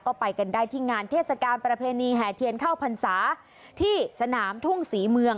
ก็ไปกันได้ที่งานเทศกาลประเพณีแห่เทียนเข้าพรรษาที่สนามทุ่งศรีเมือง